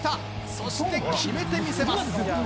そして決めてみせます！